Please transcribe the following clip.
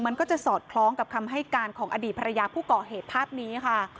มันก็จะสอดคล้องกับคำให้การของอดีตภรรยาผู้ก่อเหตุภาพนี้ค่ะ